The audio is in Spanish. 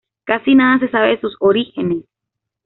Casi nada se sabe de sus orígenes.